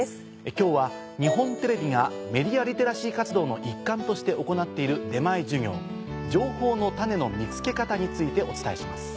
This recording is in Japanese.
今日は日本テレビがメディアリテラシー活動の一環として行っている出前授業。についてお伝えします。